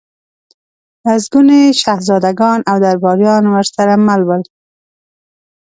لسګوني شهزادګان او درباریان ورسره مل ول.